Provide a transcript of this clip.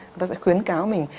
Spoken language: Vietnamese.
chúng ta sẽ khuyến cáo mình